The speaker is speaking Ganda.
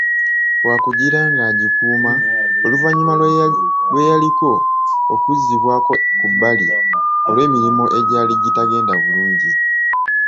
Wakugira ng'agikuuma oluvannyuma lw'eyaliko okuzzibwako ku bbali olw'emirimu egyali gitagenda bulungi.